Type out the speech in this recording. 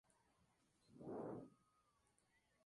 En Madrid estudia Derecho en la universidad.